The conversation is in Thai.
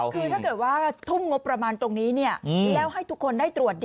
คือถ้าเกิดว่าทุ่มงบประมาณตรงนี้แล้วให้ทุกคนได้ตรวจ